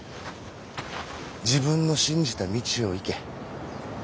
自分の信じた道を行け。